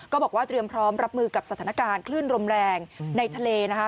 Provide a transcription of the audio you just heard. ก็บอกว่าเตรียมพร้อมรับมือกับสถานการณ์คลื่นลมแรงในทะเลนะคะ